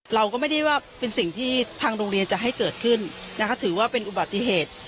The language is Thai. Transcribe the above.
เราก็ไม่ได้ว่าเป็นสิ่งที่ทางโรงเรียนจะให้เกิดขึ้นนะคะถือว่าเป็นอุบัติเหตุ